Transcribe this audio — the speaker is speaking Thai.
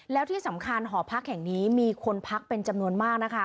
แล้วที่สำคัญหอพักแห่งนี้มีคนพักเป็นจำนวนมากนะคะ